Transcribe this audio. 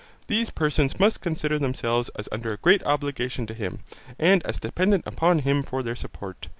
These persons must consider themselves as under a great obligation to him and as dependent upon him for their support.